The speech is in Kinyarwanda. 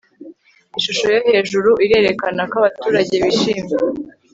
ishusho yo hejuru irerekana ko abaturage bishimye